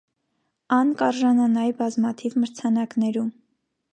Ան կ՛արժանանայ բազմաթիւ մրցանակներու։